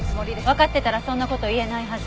わかってたらそんな事言えないはず。